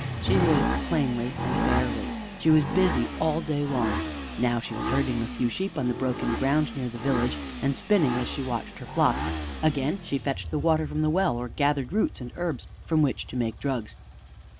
She lived plainly and barely. She was busy all day long. Now she was herding a few sheep on the broken ground near the village, and spinning as she watched her flock. Again she fetched the water from the well or gathered roots and herbs from which to make drugs.